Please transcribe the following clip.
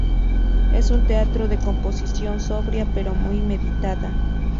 Es un retrato de composición sobria pero muy meditada.